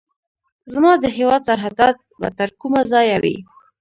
زما د هیواد سرحدات به تر کومه ځایه وي.